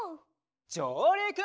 じょうりく！